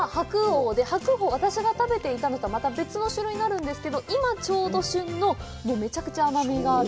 私が食べていたのとは別の種類になるんですけど、今ちょうど旬の、めちゃくちゃ甘みがある。